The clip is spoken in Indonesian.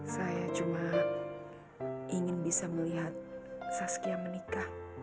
saya cuma ingin bisa melihat saskia menikah